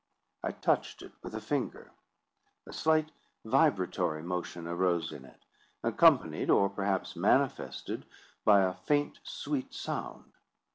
I touched it with a finger. A slight vibratory motion arose in it, accompanied, or perhaps manifested, by a faint sweet sound.